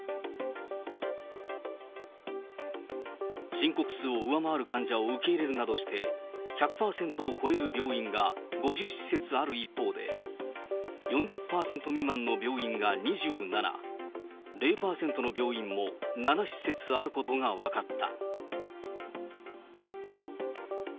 申告数を上回る患者を受け入れるなどして、１００％を超える病院が５０施設ある一方で、４０％未満の病院が２７、０％の病院も７施設あることが分かった。